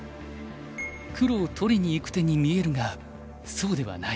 黒を取りにいく手に見えるがそうではない。